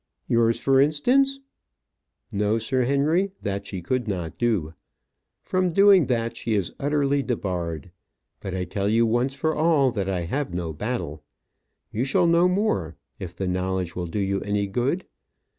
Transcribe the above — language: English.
"Yours, for instance?" "No, Sir Henry. That she could not do. From doing that she is utterly debarred. But I tell you once for all that I have no battle. You shall know more if the knowledge will do you any good.